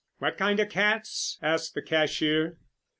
"What kind of cats?" asked the cashier.